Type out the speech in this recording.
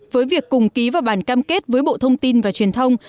với việc cùng ký vào bản cam kết với bộ thông tin và truyền thông